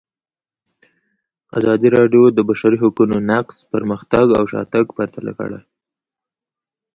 ازادي راډیو د د بشري حقونو نقض پرمختګ او شاتګ پرتله کړی.